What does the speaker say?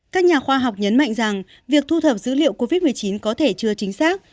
các nhà khoa học nhấn mạnh rằng việc thu thập dữ liệu covid một mươi chín có thể chưa chính xác